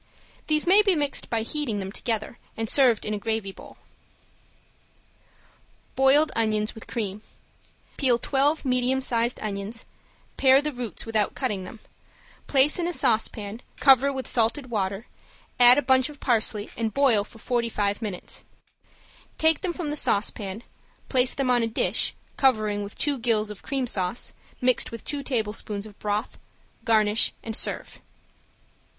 These may be mixed by heating them together, and serve in a gravy bowl. ~BOILED ONIONS WITH CREAM~ Peel twelve medium sized onions, pare the roots without cutting them, place in a saucepan, cover with salted water, add a bunch of parsley, and boil for forty five minutes; take them from the saucepan, place them on a dish, covering with two gills of cream sauce, mixed with two tablespoonfuls of broth, garnish, and serve.